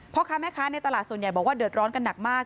พ่อค้าแม่ค้าในตลาดส่วนใหญ่บอกว่าเดือดร้อนกันหนักมาก